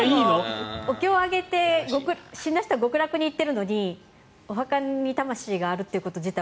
お経を上げて死んだ人は極楽に行っているのにお墓に魂があるということ自体